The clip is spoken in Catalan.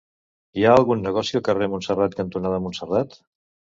Hi ha algun negoci al carrer Montserrat cantonada Montserrat?